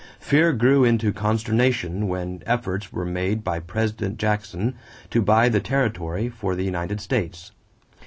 Fear grew into consternation when efforts were made by President Jackson to buy the territory for the United States.